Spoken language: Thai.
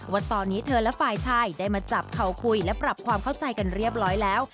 ว่าตอนนี้เธอและฝ่ายชายได้มาจับเขาคุยและปรับความเข้าใจกันเรียบร้อยแล้ว